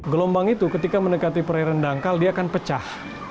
gelombang itu ketika mendekati perairan dangkal dia akan pecah